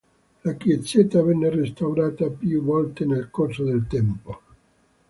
La chiesetta venne restaura più volte nel corso del tempo.